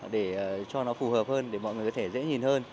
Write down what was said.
để cho nó phù hợp hơn để mọi người có thể dễ nhìn hơn